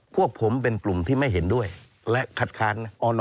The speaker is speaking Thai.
พวกผมเป็นกลุ่มที่ไม่เห็นด้วยและคัดค้าน